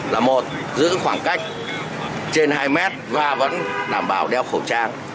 là một giữ khoảng cách trên hai mét và vẫn đảm bảo đeo khẩu trang